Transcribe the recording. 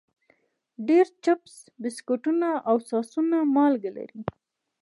ډېری چپس، بسکټونه او ساسونه مالګه لري.